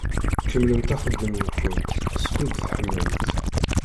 Kemmlemt axeddim-nkent skud teḥmamt.